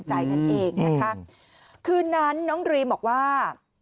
ใจนั่นเองนะคะคืนนั้นน้องดรีมบอกว่า